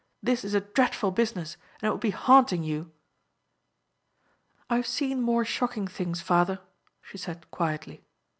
This is a dreadful business, and it will be haunting you." "I have seen more shocking things, father," she said, quietly.